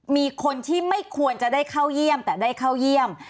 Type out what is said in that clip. มีคนที่ไม่ควรจะได้เข้าเยี่ยมแต่ได้เข้าเยี่ยม